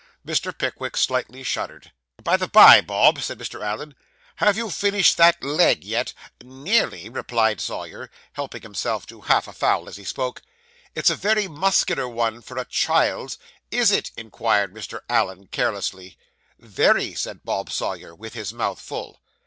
Mr. Pickwick slightly shuddered. 'By the bye, Bob,' said Mr. Allen, 'have you finished that leg yet?' 'Nearly,' replied Sawyer, helping himself to half a fowl as he spoke. 'It's a very muscular one for a child's.' Is it?' inquired Mr. Allen carelessly. 'Very,' said Bob Sawyer, with his mouth full.